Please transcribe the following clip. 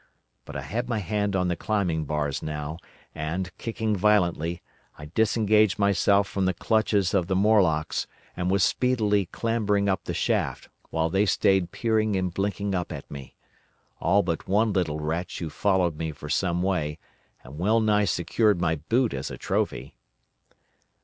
But I had my hand on the climbing bars now, and, kicking violently, I disengaged myself from the clutches of the Morlocks, and was speedily clambering up the shaft, while they stayed peering and blinking up at me: all but one little wretch who followed me for some way, and well nigh secured my boot as a trophy.